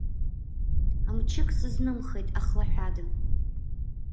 Мчык сызнымхеит, ахлаҳәада.